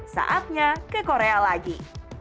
saatnya ke korea lagi